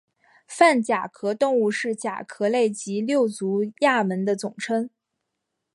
泛甲壳动物是甲壳类及六足亚门的总称。